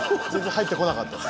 入ってこなかった。